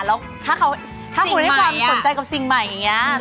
แล้วถ้าคุณให้ความสนใจกับสิ่งใหม่อย่างนี้